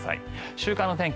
週間の天気